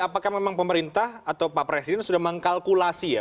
apakah memang pemerintah atau pak presiden sudah mengkalkulasi ya